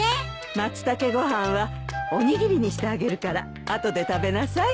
まつたけご飯はおにぎりにしてあげるから後で食べなさい。